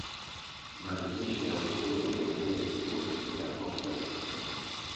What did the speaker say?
Maadhimisho ya uhuru wa Jamhuri ya Kidemokrasia ya Kongo yalifanyika